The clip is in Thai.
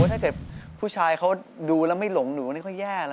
ถ้าเกิดผู้ชายเขาดูแล้วไม่หลงหนูนี่เขาแย่นะ